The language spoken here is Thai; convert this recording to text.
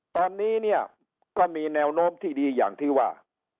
ตอนนี้เนี่ยก็มีแนวโน้มที่ดีอย่างที่ว่า